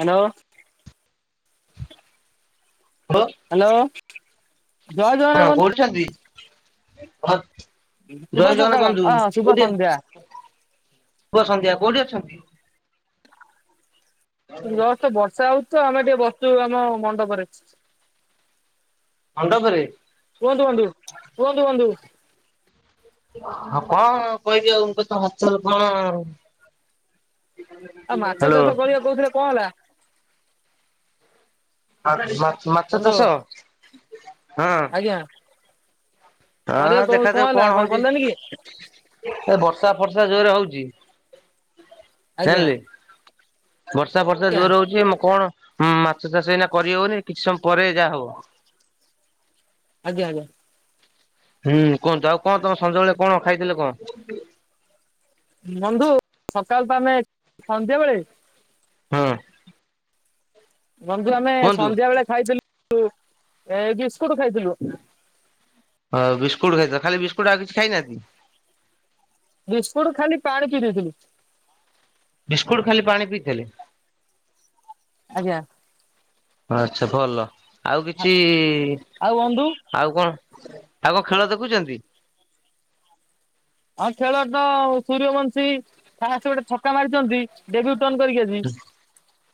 Hello ହ hello ଜୟ ଜଗନ୍ନାଥ ହଁ ବନ୍ଧୁ କୋଉଠି ଛନ୍ତି ଶୁଭ ଜୟ ଜଗନ୍ନାଥ ସକାଳ କୁହନ୍ତୁ ଅ ହଁ ଶୁଭ କୋଉଠି ସନ୍ଧ୍ୟା। ପୁ ସନ୍ଧ୍ୟା କୋଉଠି ଅଛନ୍ତି? ଜଷ୍ଟ ବର୍ଷା ହଉଛି ତ ଆମେ ଟିକେ ବସିଛୁ ଆମ ମଣ୍ଡପରେ। ମଣ୍ଡପରେ? କୁହନ୍ତୁ ବନ୍ଧୁ କୁହନ୍ତୁ ବନ୍ଧୁ। ହଉ କଣ କହିବି ଆଉ ତ ହଲଚଲ କଣ? ହ୍ୟାଲୋ। ସେ କହୁଥିଲେ କଣ ହେଲା? ହଁ ମା ମାଛ ବନ୍ଧୁ ଚାଷ ହଁ। ଆଜ୍ଞା। ଆଁ କରିବା କହୁ ଦେଖାଯାଉ ହେଲା କଣ ଆପଣ ହଉଛି। କଲେନି କି ଏ ବର୍ଷା ଫର୍ଷା ଜୋରେ ହଉଛି ଆଜ୍ଞା ଜାଣିଲେ? ବର୍ଷା ଫର୍ଷା ଆଜ୍ଞା ଜୋରେ ହୋଉଛି କଣ ମାଛ ଚାଷ ଏଇନା କରିହଉନି କିଛି ସମୟ ପରେ ଯାହା ହବ। ଆଜ୍ଞା ଆଜ୍ଞା। ହୁଁ କୁହନ୍ତୁ ଆଉ କଣ ତମେ ସଞ୍ଜବେଳେ କଣ ଖାଇଥିଲେ କଣ? ବନ୍ଧୁ ସକାଳ ତ ଆମେ ସଞ୍ଜବେଳେ? ହଁ। ବନ୍ଧୁ ଆମେ କୁହନ୍ତୁ? ସନ୍ଧ୍ୟା ବେଳେ ଖାଇଥିଲୁ ଏ ବିସ୍କୁଟ ଖାଇଥିଲୁ। ହଁ ବିସ୍କୁଟ ଖାଇଛ ଖାଲି ବିସ୍କୁଟ ଆଉ କିଛି ଖାଇନାହାନ୍ତି? ବିସ୍କୁଟ ଖାଲି ପାଣି ପିଇ ଦେଇଥିଲୁ। ବିସ୍କୁଟ ଖାଲି ପାଣି ପିଇଥିଲେ? ଆଜ୍ଞା। ଆଚ୍ଛା ଭଲ ଆଉ କିଛି ଆଉ ବନ୍ଧୁ ଆଉ କଣ ଆଉ କଣ ଖେଳ ଦେଖୁଛନ୍ତି? ହଁ ଖେଳ ତ ସୂର୍ଯ୍ୟବଂଶୀ ପାଷ୍ଟ ଗୋଟେ ଛକା ମାରିଛନ୍ତି। ଡେବିଟ୍ୟନ୍ କରିକି ଆଜି।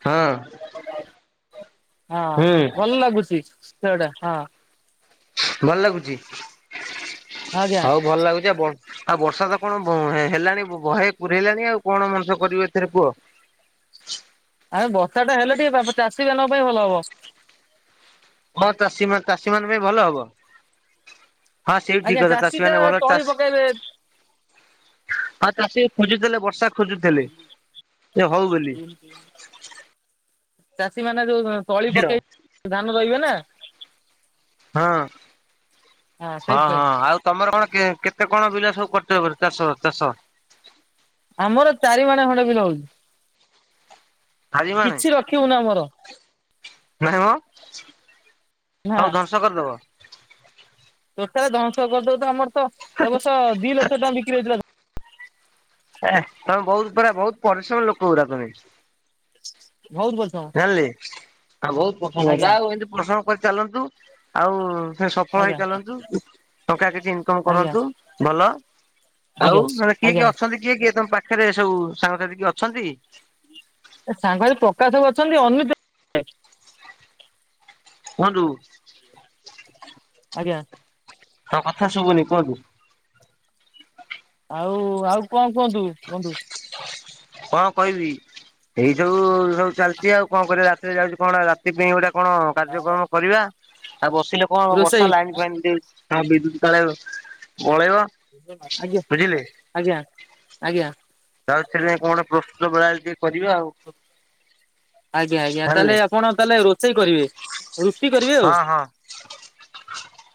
ହଁ। ହଁ ହୁଁ ଭଲ ଲାଗୁଛି ଖେଳ ଟା ହଁ। ଭଲ ଲାଗୁଛି ଆଜ୍ଞା। ହଉ ଭଲ ଲାଗୁଛି ଆଉ। ଆଉ ବର୍ଷା ତ କଣ ବ ହେଲାଣି ଭହେ ପୁରେଇଲାଣି ଆଉ କଣ ମଣିଷ କରିବ ଏଥିରେ କୁହ? ଆରେ ବର୍ଷା ଟା ହେଲେ ଟିକେ ଚାଷୀ ମାନଙ୍କ ପାଇଁ ଭଲ ହବ। ହଁ ଚାଷୀ ମାନ ଚାଷୀ ମାନଙ୍କ ପାଇଁ ଭଲ ହବ। ହଁ ସେ ବି ଆଜ୍ଞା ଠିକ କଥା ଚାଷୀ ଟା ମାନେ ଭଲ ତଳି ଚାଷ ପକେଇବେ ହଁ ଚାଷୀ ଖୋଜୁଥିଲେ ବର୍ଷା ଖୋଜୁଥିଲେ ସେ ହଉ ବୋଲି। ଚାଷୀ ମାନେ ଯୋଉ ତଳୀ ବୁଝିଲ ପକେଇ ଧାନ ରୋଇବେନା। ହଁ ହଁ ହଁ ଆଉ ତମର କଣ କେତେ କଣ ବିଲ ସବୁ କରିଚ ଏବେ ଚାଷ ଚାଷ? ଆମର ଚାରି ମାଣେ ଖଣ୍ଡେ ବିଲ ହଉଛି। ଚାରିମାଣେ କିଛି ରଖିବୁନୁ ଆମର ନାଇମ ନା ହଉ ଚାଷ କରିଦେବ? ଟୋଟାଲ ଧଂଶ ତ [unintelligible] ଆମର ତ ଏବ ବର୍ଷ ଦିଇ ଲକ୍ଷ ଟଙ୍କା ବିକ୍ରି ହେଇଥିଲା ଧାନ। ଏଁ ତମେ ବହୁତ ପୁରା ବହୁତ ପରିଶ୍ରମ ଲୋକ ଗଡ଼ା ତମେ? ବହୁତ ବର୍ଷ। ଜାନଲି ଆଉ ବହୁତ ପ୍ରସଙ୍ଗ ଜାଉ ଏମିତି ପସଙ୍ଗ କରି ଚାଲନ୍ତୁ ଆଉ ସେ ସଫଳ ହେଇ ଆଜ୍ଞା ଚାଲନ୍ତୁ ଟଙ୍କା କିଛି ଇନକମ ଆଜ୍ଞା କରନ୍ତୁ ଭଲ। ଆଉ ଆଜ୍ଞା ମାନେ କିଏ ଆଜ୍ଞା। କିଏ ଅଛନ୍ତି କିଏ କିଏ ତମ ପାଖରେ ସବୁ ସାଙ୍ଗସାଥି କିଏ ଅଛନ୍ତି? ଏ ସାଙ୍ଗରେ ପ୍ରକାଶ ବାବୁ ଅଛନ୍ତି ଅନିତ କୁହନ୍ତୁ? ଆଜ୍ଞା। ହଁ କଥା ଶୁଭୁନି କୁହନ୍ତୁ? ଆଉ ଆଉ କଁ କୁହନ୍ତୁ ବନ୍ଧୁ? କ କହିବି ଏଇ ଯୋଉ ସବୁ ଚାଲିଚି ଆଉ କଁ କରିବା ରାତିରେ ଯାଉଚି କଣା ରା ତି ପାଇଁ ଗୋଟେ କଣ କାର୍ଯ୍ୟକ୍ରମ କରିବା ଆଉ ବସିଲେ କଁ ହବ ରୋଷେଇ ବର୍ଷା ଲାଇନ ଫାଇନ୍ ଦିଉ ତା ବିଦ୍ୟୁତ୍ କାଳେ ମଳେଇବ। ଆଜ୍ଞା ଆଜ୍ଞା ଆଜ୍ଞା ତମେ ଥିଲେ କଣ ପ୍ରସ୍ତୁତ ବେଳାଳି ଟିକେ କରିବା ଆଉ। ଆଜ୍ଞା ଆଜ୍ଞା ଜାଣିଲେ। ତାହେଲେ ଆପଣ ତାହେଲେ ରୋଚେଇ କରିବେ? ରୁଟି କରିବେ ଆଉ ହଁ ହଁ ଅଁ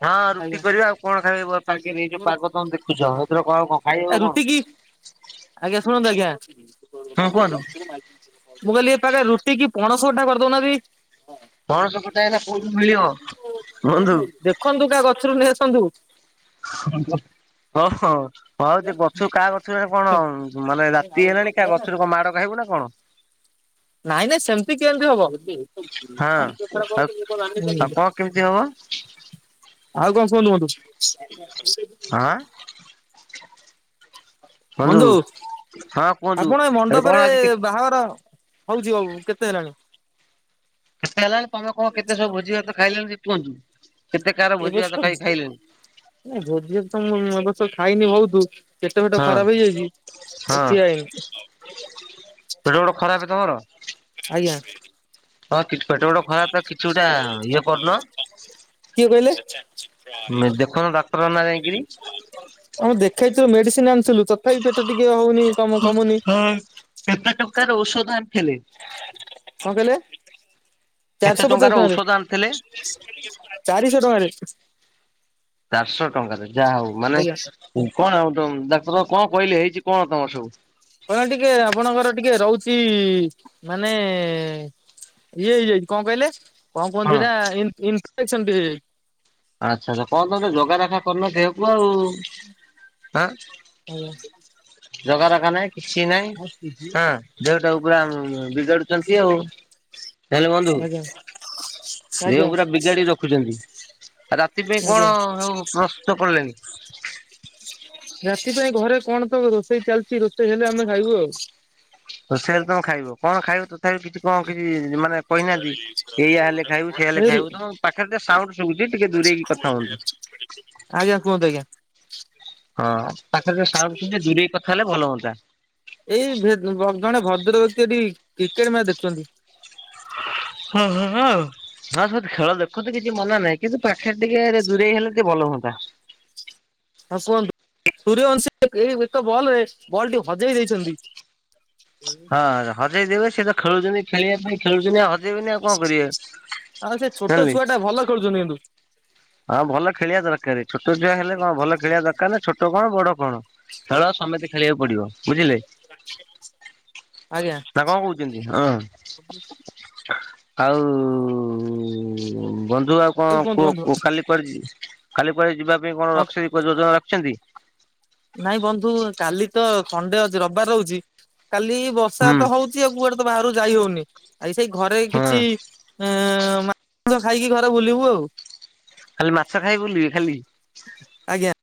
ହଁ ରୁଟି ଆଜ୍ଞା କରିବା ଆଉ କଣ ଖାଇବ? ପାଗି ଏଇ ଯୋଉ ପାଗ ତମେ ଦେଖୁଚ ଏଥିର କଁ କଁ ଆ ରୁଟି କି ଆଜ୍ଞା ଶୁଣନ୍ତୁ ଆଜ୍ଞା ହୁଁ କୁହନ୍ତୁ। ମୁଁ କହିଁଲି ଏ ପାଖରେ ରୁଟି କି ପଣସ ଅଟା କରଦୋ ନାତି। ପଣସ କଠା ଏଇନା କୋଉଠୁ ମିଳିବ? ବନ୍ଧୁ ଖନ୍ତୁ କା ଗଛରୁ ନେଇ ଆସନ୍ତୁ। ଆଜ୍ଞା ଓ ହୋ ହଁଯେ ଗଛରୁ କାହା ଗଛରେ କଣ ମାନେ ରାତି ହେଲାଣି କା ଗଛରୁ କଁ ମାଡ଼ ଖାଇବୁ ନା କଣ? ନାଇଁ ନାଇଁ ସେମିତି କେମିତି ହବ? [inaudible] ହଁ ଆଉ ଆଉ କଣ କେମିତି ହବ ଆଉ କଁ ସୁହନ୍ତୁ ବନ୍ଧୁ? ଅ ଆଁ ବନ୍ଧୁ ହଁ କୁହନ୍ତୁ। ଆପଣ ଆରେ କଣ ମଣ୍ଡପରେ ଆଜି କେ ବାହାଘର ହଉଚି ଆଉ କେତେ ହେଲାଣି? କେତେ ହେଲାଣି ତମେ କଁ କେତେ ସବୁ ଭୋଜି ଭାତ ଖାଇଲେଣି ସେ କୁହନ୍ତୁ? କେତେ କାହାର ଭୋଜି ଭାତ ଖାଇ ଖାଇଲେଣି? ନାଁ ଯୋଦୀ ଭାତ ମୁଁ ଏ ବର୍ଷ ଖାଇନି ବହୁତ ପେଟ ଫେଟ ହଁ ଖରାପ ହେଇଯାଇଚି [inaudible] ପେଡ୍ଡ ଖରାପ ତମର? ଆଜ୍ଞା। ହଁ କିଛ ପେଟ ଫେଟ ଖରାପ ତ କିଛି ଗୋଟା ଇଏ କରୁନ? କିଏ କହିଲେ? [unintelligible] ଯାଇକିରି। ହଁ ଦେଖାଇଥି ମେଡିସିନ ଆଣିଥିଲୁ ତଥାପି ପେଟ ଟିକେ ହଉନି କମ କମୁନି। ଆଁ କେତେ ଟଙ୍କାର ଔଷଧ ଆଣଥିଲେ? କଣ କହିଲେ? କେତେ ଚାରିଶହ ଟଙ୍କାର ପଚାଶ ଔଷଧ ଆଣିଥିଲେ ଟଙ୍କାରେ। ଚାରିଶ ଟଙ୍କାରେ। ଚାରଶ ଟଙ୍କାରେ ଯାହା ହଉ ମାନେ ଆଜ୍ଞା କଣ ଆଉ ତମ ଡାକ୍ତର ବାବୁ କଁ କହିଲେ? ହେଇଚି କଁ ତମ ସବୁ? କଣ ଟିକେ ଆପଣଙ୍କର ଟିକେ ରହୁଚି ମାନେ ଇଏ ହେଇଯାଇ କଁ କହିଲେ? କଁ କହନ୍ତି କଣ? ହେଇଟା ଇନ୍ ଇନ ଇନଫେକସନ ଟିଏ ଆଛା ଛା କଁ ତମେ ଜଗା ଦଖା କରୁନ ଦେହକୁ ଆଉ ଆଁ ହେଇଯାଇଛି ଜଗା ରଖା ନାଇଁ କିଛି ନାଇଁଁ ଆଁ। ଦେହଟାକୁ ପୁର ବିଗାଡୁଚନ୍ତି ଆଉ ହେଲ ବନ୍ଧୁ ଆଜ୍ଞା ଆଜ୍ଞା ଦେହ ପୁରା ବିଗାଡି ରଖ ଖୁଚନ୍ତି ରାତି ପାଇଁ ଆଜ୍ଞା କଣ ଆଉ ପ୍ରସ୍ତୁତ କଲେଣି? ରାତି ପାଇଁ ଘରେ କଣ ସବୁ ରୋଷେଇ ଚାଲିଛି? ରୋଷେଇ ହେଲେ ଆମେ ଖାଇବୁ ଆଉ। ରୋଷେଇ ହେଲେ ତମେ ଖାଇବ। କଣ ଖାଇବ ତଥାପି କିଛି କଣ କିଛି ମାନେ କହିନାହାନ୍ତି? ଏଇୟା ହେଲେ ଖାଇବୁ ସେଇୟା ହେଲେ ଖାଇବୁ ତମ ପାଖରେ ଟିକେ ସାଉଣ୍ଡ ଶୁଭୁଛି ଟିକେ ଦୂରେଇକି କଥା ହୁଅନ୍ତୁ। ଆଜ୍ଞା କୁହନ୍ତୁ ଆଜ୍ଞା। ହଁ ପାଖରେ ଯୋଉ ସାଉଣ୍ଡ ଶୁଭୁଚି ଦୂରେଇ କଥା ହେଲେ ଭଲ ହୁଅନ୍ତା। ଏଇ ବେ ବ ଜଣେ ଭଦ୍ର ବ୍ୟକ୍ତି ଏଠି କ୍ରିକେଟ ମ୍ୟାଚ ଦେଖୁଛନ୍ତି। ହୁଁ ହୁଁ ହୁଁ। ହଁ ସେ ଖେଳ ଦେଖନ୍ତୁ କିଛି ମନା ନାହିଁ କିନ୍ତୁ ପାଖରେ ଟିକେରେ ଦୂରେଇ ହେଲେ ଟିକେ ଭଲ ହୁଅନ୍ତା। ହଁ କୁହନ୍ତୁ ସୂର୍ୟ୍ଯବଂଶୀ ଏଇ ଏକ ବଲରେ ବଲ ଟି ହଜେଇ ଦେଇଛନ୍ତି। ଉଁ। ହଁ ହଜେଇ ଦେବେ ସିଏ ତ ଖେଳୁଛନ୍ତି ଖେଳିବା ପାଇଁ ଖେଳୁଛନ୍ତି ଆଉ ହ ଆଉ ସେ ଛୋଟ ଜାଣିଲେ। ଛୁଆଟା ଭଲ ଖେଳୁଛନ୍ତି କିନ୍ତୁ। ହଁ ଭଲ ଖେଳିବା ଦରକାର ଛୋଟ ଛୁଆ ହେଲେ କଣ ଭଲ ଖେଳିବା ଦରକାର ନା ଛୋ ଟ କଣ ବଡ କଣ ଖେଳ ସମସ୍ତେ ଖେଳିବାକୁ ପଡିବ ବୁଝିଲେ। ଆଜ୍ଞା। ନା କଣ କହୁଛନ୍ତି ହଁ। ଆଉ ଉଁ ବନ୍ଧୁ ଆଉ କଣ କୁହନ୍ତୁ କୁହ ବନ୍ଧୁ। କୁ କାଲି। କୁଆଡ଼େ ଜି କାଲି କୁଆଡ଼େ ଯିବା ପାଇଁ କଣ ହଁ ରଖିଛନ୍ତୀ କୁହ ଯୋଜନା ରଖିଛନ୍ତି। ନାଇଁ ବନ୍ଧୁ କାଲି ତ ସଣ୍ଡେ ଅଛି ରବିବାର ରହୁଛି। କାଲି ବର୍ଷା ହୁଁ। ତ ହଉଛି ଆଉ କୁଆଡେ ତ ବାହାରକୁ ଯାଇ ହଉନି ଆଉ ସେଇ ଘରେ ହଁ କିଛି। ଏଁ ମା ନ୍ସ ଖାଇକି ଘରେ ବୁଲିବୁ ଆଉ। ଖାଲି ମାଛ ଖାଇ ବୁଲିବେ ଖାଲି। ଆଜ୍ଞା।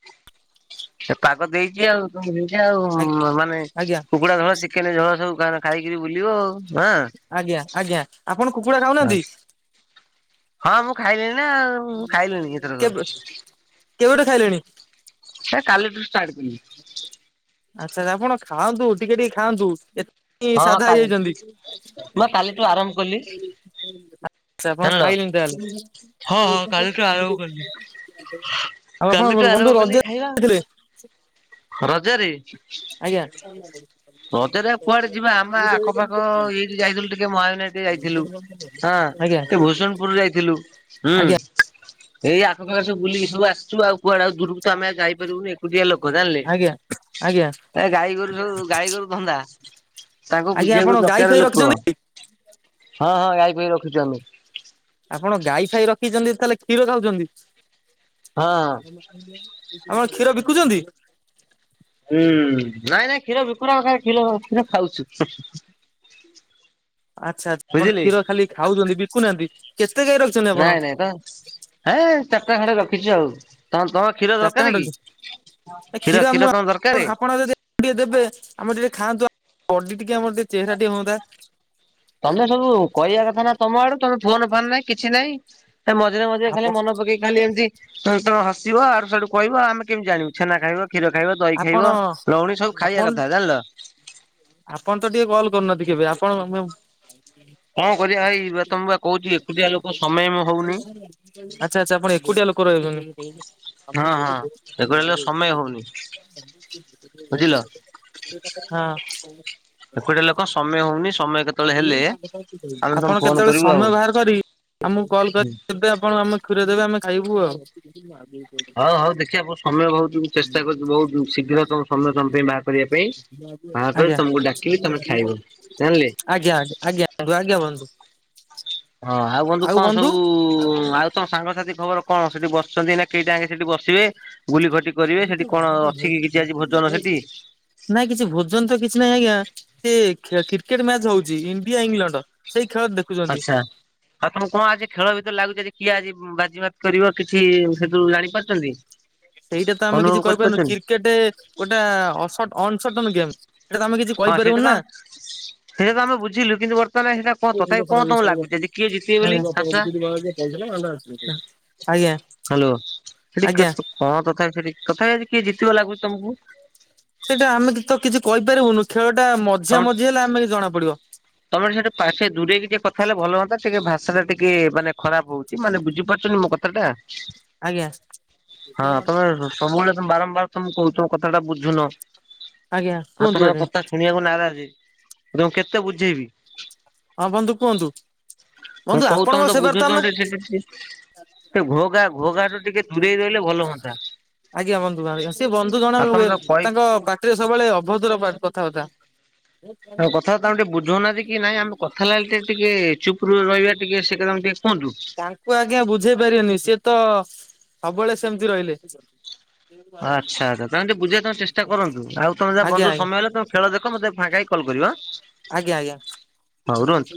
ଏ ପାଗ ଦେଇଛି ଆଉ ତ ଦେଇଚି ଆଉ ଉଁ ମ-ମାନେ ଆଜ୍ଞା କୁକୁଡା ଦଳ ଚି କେନ ଝୋଳ ସବୁ କାଣ ଖାଇକିରି ବୁଲିବ ଆଉ। ମା। ଆଜ୍ଞା ଆଜ୍ଞା ଆପଣ କୁକୁଡା ଖାଉନାହାନ୍ତି। ହଁ ମୁଁ ଖାଇଲିଣି ନା ଆଉ ମୁଁ ଖାଇଲିଣି ଏଥରକ। କେବେ କେବେଠୁ ଖାଇଲେଣି? ସେ କାଲିଠୁ ଷ୍ଟାର୍ଟ କଲି। ଆଚ୍ଛା ଆଚ୍ଛା ଆପଣ ଖାଆନ୍ତୁ ଟିକେ ଟିକେ ଖାଆନ୍ତୁ ଏ ଇ ହଁ ସାଧା କାଲି ହେଇଯାଇଛନ୍ତି। ମୁଁ କାଲିଠୁ ଆରମ୍ଭ କଲି ସେ ଆପଣ ଜାଣିଲ। ଖାଇଲେଣି ହଁ ହଁ ତାହେଲେ। କାଲିଠୁ ଆରମ୍ଭ କଲି ଆଉ ଆପଣ କାଲିଠୁ ବର୍ ଆରମ୍ଭ ବନ୍ଧୁ କଲି ରଜ ଖାଇବା ଥିଲେ। ରଜରେ। ଆଜ୍ଞା। ରଜରେ ଆଉ କୁଆଡେ ଯିବା ଆମ ଆଖପାଖ ଏଇଠି ଯାଇଥିଲୁ ଟିକେ ମହାବିନାୟ ଏ ଯାଇଥିଲୁ ହଁ ଆଜ୍ଞା ସେ ଭୂଶୁନପୁର ଯାଇଥିଲୁ। ହୁଁ ଆଜ୍ଞା ଏଇ ଆଖପାଖରେ ସବୁ ବୁଲିକି ସବୁ ଆସିଛୁ ଆଉ କୁଆଡେ ଆଉ ଦୂରକୁ ତ ଆମେ ଆଉ ଯାଇପାରିବୁନି ଏ ଏକୁଟିଆ ଲୋକ ଜାଣିଲେ ଆଜ୍ଞା ଆଜ୍ଞା ଏ ଗାଈ ଗୋରୁ ସବୁ ଗାଈ ଗୋରୁ ଧନ୍ଦା। ତାଙ୍କୁ ଆଜ୍ଞା ଆପଣ ବୁଝିବାକୁ ଗାଈ ଦରକାର ଫାଇ ଲୋକ ରଖିଛନ୍ତି? ହଁ ହଁ ଗାଈ ଫାଈ ରଖୁଛୁ ଆମେ। ଆପଣ ଗାଈ ଫାଇ ରଖିଛନ୍ତି ତାହେଲେ କ୍ଷୀର ଖାଉଛନ୍ତି। ହଁ ହଁ। ଆପଣ କ୍ଷୀର ବିକୁଛନ୍ତି? ହୁଁ ନାଇଁ ନାଇଁ କ୍ଷୀର ବିକୁନାଉ ଖାଲି କ୍ଷୀର କ୍ଷୀର ଖାଉଛୁ ହୁଁ ହୁଁ ହୁଁ। ଆଚ୍ଛା ଆପଣ ବୁଝିଲେ। କ୍ଷୀର ଖାଲି ଖାଉଛନ୍ତି ବିକୁନାହାନ୍ତି। କେତେ ଗାଈ ରଖିଛନ୍ତି ଆପଣ? ଗା ଏ ଚାରିଟା ଖଣ୍ଡେ ରଖିଛୁ ଆଉ ତମ ତମ। କ୍ଷୀର ଚାରିଟା ଦରକାର ଖଣ୍ଡେ କି ରଖିଛନ୍ତି କ୍ଷୀର କ୍ଷୀର ତମର ଦରକାରେ? ଆପଣ ଯଦି ଟିକେ ଦେବେ ଆମର ଟିକେ ଖାଆନ୍ତୁ ବଡି ଟିକେ ଆମର ଟିକେ ଚେହେରା ଟିକେ ହୁଅନ୍ତା। ତମେ ସବୁ କହିବା କଥା ନା ତମ ଆଡୁ ତମେ ଫୋନ ଫାନ୍ ନାଇଁ କିଛି ନାଇଁ। ଏ ମଝିରେ ମଝିରେ ଖାଲି ଆପଣ ମନ ପକେଇ ଖାଲି ଏମିତି ତମେ ତମେ ହସିବ ୟାଡୁ ସିଆଡୁ କହିବ ଆମ ଆମେ କେମିତି ଜାଣିବୁ ଛେନା ଖାଇବ କ୍ଷୀର ଖାଇବ ଦହି ଆପଣ ଖାଇବ ଲଉଣୀ ସବୁ ଆପଣ ଖାଇବା କଥା ଜାଣିଲ। ଆପଣ ତ ଟିକେ କଲ୍ କରୁନହାନ୍ତି କେବେ ଆପଣ କଣ କରିବା ଭାଇ ବା ତମ ବା କହୁଛି ଏକୁଟିଆ ଲୋକ ସମୟ ହଉନି। ଆଚ୍ଛା ଆଚ୍ଛା ଆପଣ ଏକୁଟିଆ ଲୋକ ରହିଛନ୍ତି। ହଁ ହଁ ଏକୁଟିଆ ଲୋକ ସମୟ ହଉନି। ବୁଝିଲ। ହଁ ଏକୁଟେ ଲୋକ ସମୟ ହଉନି ସମୟ କେତେ ଆପଣ କେତେବେଳେ କରିବୁ ଆଉ। ସମୟ ବାହାର କରିି ଆମକୁ କଲ୍ କରିବେ ଆପଣ ଆମ [inaudible] ଦେବେ ଆମେ ଖାଇବୁ ଆଉ ହଉ ହଉ ଦେଖିବା ସମୟ ବହୁ ଚେଷ୍ଟା କରୁଛି ବହୁତ ଶୀଘ୍ର ତମ ସମୟ ତମ ପାଇଁ ବା କରିବା ପାଇଁ ବାହା ପରେ ଆଜ୍ଞା ତମକୁ ଡାକିଲେ ତମେ ଖାଇବ ଜାଣିଲେ। ଆଜ୍ଞା ଆଜ୍ଞା ଆଜ୍ଞା ବନ୍ଧୁ। ହଁ ଆଉ ବନ୍ଧୁ କଣ ସବୁ ଆଉ ତମ ସାଙ୍ଗସାଥି ଖବର କଣ ସେଠି ବସିଛନ୍ତି ନା କେଇଟା ଆଗେ ସେଠି ବସିବେ ଗୁଲି ଖଟି କରିବେ ସେଠି କଣ ଅଛି କି କିଛି ଆଜି ଭୋଜନ ସେଠି? ନାଇଁ କିଛି ଭୋଜନ ତ କିଛି ନାହିଁ ଆଜ୍ଞା ସେ କ୍ରିକେଟ ମ୍ୟାଚ ହଉଛି ଇଣ୍ଡିଆ ଇଂଲଣ୍ଡ ସେଇ ଖେଳ ଦେଖ। ଆଚ୍ଛା ଆଉ ତମକୁ କଣ ଆଜି ଖେଳ ଭିତରେ ଲାଗୁଛି କିଏ ଆଜି ବାଜି କରିବ କିଛି ସେଥୁରୁ ଜାଣି ପାରୁଛନ୍ତି ଅନୁଭବ କରିପାରୁଛନ୍ତି। କେଟେ ଗୋଟେ ଅନସଟନ ଗେମ୍ ସେଇଟା ତମେ କିଛି ହଁ ସେଇଟା କହିପାରିବନି ତ ନା। ଆମ ସେଇଟା ତ ଆମେ ବୁଝିଲୁ କିନ୍ତୁ ବର୍ତ୍ତମାନ ସେଇଟା କଣ ତଥାପି କଣ ତମକୁ ଲାଗୁଛି ଆଜି କିଏ ଜିତିବେ ବୋଲି ଆଶା? [inaudible] ଆଜ୍ଞା। ହାଲୋ ସେଠି କଣ କଥା ସେଠି କଥା ହଉଛି କିଏ ଜିତିବ ଆଜି ଲାଗୁଛି ତମକୁ? ସେଇଟା ଆମେ ତ କିଛି କହିପାରିବୁନୁ ଖେଳ ଟା ମଝିଆ ତମେ ମଝି ହେଲେ ଆମେ ଜଣା ପଡିବ। ତମେ ସେଠୁ ପାଠେ ଦୂରେଇକି ଟିକଏ କଥା ହେଲେ ଭଲ ହୁନ୍ତା ଟିକେ ଭାଷା ଟା ଟିକେ ମାନେ ଖରାପ ହଉଚି। ମାନେ ବୁଝିପାରୁଛନ୍ତି ମୋ କଥା ଟା ଆଜ୍ଞା ହଁ ତମେ ସବୁବେଳେ ତମେ ବାରମ୍ବାର ତମେ କହୁଛ କଥାଟା ବୁଝୁନ ଆଜ୍ଞା ଆଉ କୁହନ୍ତୁ ତମର ଆଜ୍ଞା। କଥା ଶୁଣିବାକୁ ନାରାଜ ତଁ କେତେ ବୁଝେଇବି? ହଁ ବନ୍ଧୁ କୁହନ୍ତୁ ମୁଁ ବନ୍ଧୁ କହୁଚି ଆପଣଙ୍କ ତମେ ତ ସେବାରେ ଆମେ ବୁଝୁଛନ୍ତି ସେ କିଛି। ସେ ଘୋଗା ଘୋଗା ତ ଆଜ୍ଞା ବନ୍ଧୁ ସେ ବନ୍ଧୁ ଜଣ ଆଉ ତମେ ହୁଏ ତାକୁ କହି ତାଙ୍କ ବା ଟିରେ ସବୁବେଳେ ଅଭଦ୍ର କଥାବାର୍ତ୍ତା। ତମ କଥା ତମେ ଟିକେ ବୁଝଉନାହାନ୍ତି କି ନାଇଁ ଆମେ କଥା ଲାଗିଲେ ଟିକେ ଟିକେ ଚୁପ ରହିବା ଟିକେ ସେ କଥା ଟିକେ କୁହନ୍ତୁ। ତାଙ୍କୁ ଆଜ୍ଞା ବୁଝେଇ ପାରିବେନି ସିଏ ତ ସବୁବେଳେ ସେମିତି ରହିଲେ। ଆଚ୍ଛା ଆଚ୍ଛା ତାଙ୍କୁ ଟିକେ ବୁଝେଇ ତମେ ଚେଷ୍ଟ କରନ୍ତୁ ଆଉ ତମ ଯାହା ଆଜ୍ଞା ବନ୍ଧୁ ଆଜ୍ଞା ସମୟ ହେଲେ ତମେ ଖେଳ ଦେଖ ମୋଟେ ଫାଙ୍କା ହେଇ ଆଜ୍ଞା ଆଜ୍ଞା ହଉ ରୁହନ୍ତୁ।